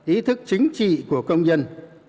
ý thức chính trị của công nhân